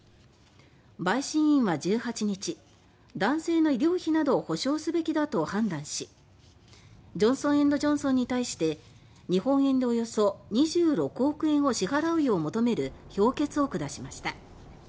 陪審員は１８日男性の医療費などを補償すべきだと判断しジョンソン・エンド・ジョンソンに対して日本円でおよそ２６億円を支払うよう求める評決を下しました。